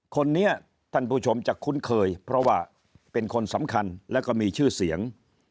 คนนี้ท่านผู้ชมจะคุ้นเคยเพราะว่าเป็นคนสำคัญแล้วก็มีชื่อเสียง